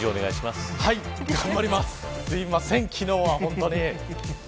すいません、昨日は本当に。